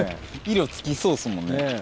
色付きそうですもんね。